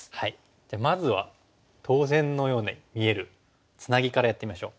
じゃあまずは当然のように見えるツナギからやってみましょう。